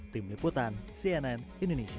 tim liputan cnn indonesia